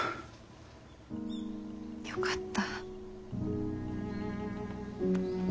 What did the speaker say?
よかった。